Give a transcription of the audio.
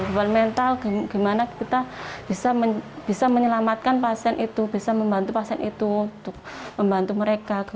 beban mental gimana kita bisa menyelamatkan pasien itu bisa membantu pasien itu untuk membantu mereka